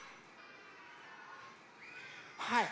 はい。